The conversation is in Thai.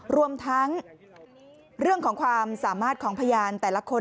รวมทั้งเรื่องของความสามารถของพยานแต่ละคน